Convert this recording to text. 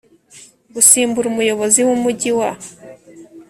Gusimbura umuyobozi w umujyi wa